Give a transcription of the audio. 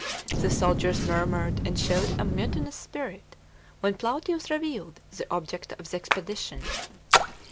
The soldiers murmured and showed a mutinous spirit when Plautius revealed the object of the expedition.